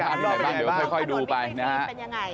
ก็ไปดูต่อบรรยากาศหน้าขนวดวิทยาลัยฟื้นเป็นยังไง